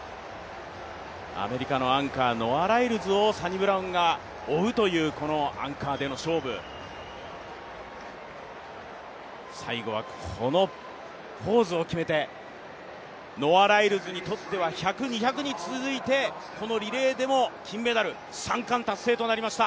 アメリカのアンカー、ノア・ライルズをサニブラウンが追うというアンカーでの勝負、最後はこのポーズを決めてノア・ライルズにとっては１００、２００に続いてこのリレーでも金メダル、３冠達成となりました。